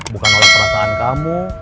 bukan nolak perasaan kamu